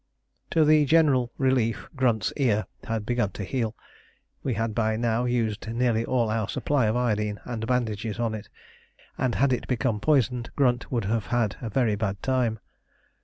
To the general relief, Grunt's ear had begun to heal; we had by now used nearly all our supply of iodine and bandages on it, and had it become poisoned Grunt would have had a very bad time.